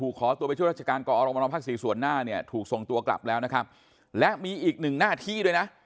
ขั้นตอนเป็นยังไง